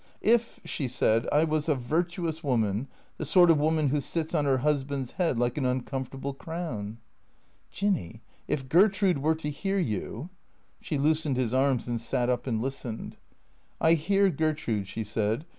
" If," she said, " I was a virtuous woman, the sort of woman who sits on her husband's head like an uncomfortable crown ?"" Jinny — if Gertrude were to hear you !" She loosened his arms and sat up and listened. " I hear Gertrude," she said.